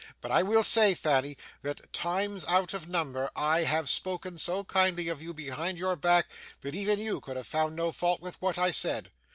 But I will say, Fanny, that times out of number I have spoken so kindly of you behind your back, that even you could have found no fault with what I said.